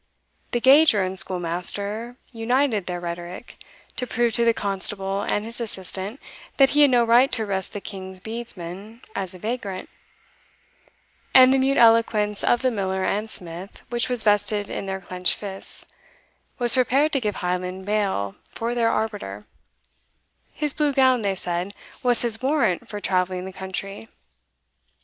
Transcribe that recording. The gauger and schoolmaster united their rhetoric, to prove to the constable and his assistant that he had no right to arrest the king's bedesman as a vagrant; and the mute eloquence of the miller and smith, which was vested in their clenched fists, was prepared to give Highland bail for their arbiter; his blue gown, they said, was his warrant for travelling the country.